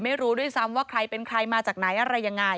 ไม่รู้ด้วยซ้ำว่าใครเป็นใครมาจากไหนอะไรยังไง